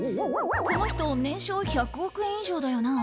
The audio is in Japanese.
この人年商１００億円以上だよな。